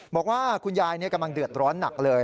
บอกว่าคุณยายกำลังเดือดร้อนหนักเลย